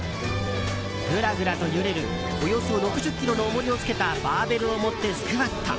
ぐらぐらと揺れるおよそ６０ｋｇの重りをつけたバーベルを持ってスクワット。